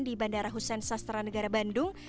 di bandara hussein sastra negara bandung